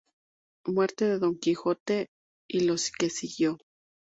Muerte de Don Quijote, y lo que siguió.